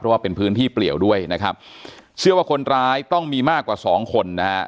เพราะว่าเป็นพื้นที่เปลี่ยวด้วยนะครับเชื่อว่าคนร้ายต้องมีมากกว่าสองคนนะฮะ